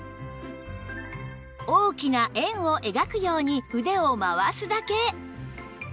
大きな円を描くように腕を回すだけ